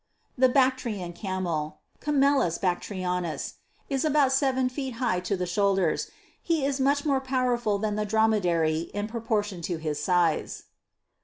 " 17. The Bactrian Camel, Camelus Bactrianus, is about seven feet high to the shouders : he is much more powerful than the Dromedary in proportion to his size.